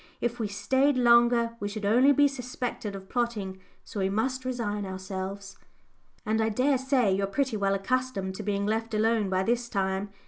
If we stayed longer we should only be suspected of plotting, so we must resign ourselves." "And I dare say you're pretty well accustomed to being left alone by this time.